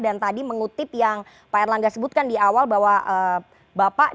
dan tadi mengutip yang pak erlangga sebutkan di awal bahwa bapak dan juga pemerintah berhasil menghasilkan aspirasi